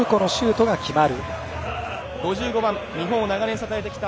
５５番日本を長年支えてきた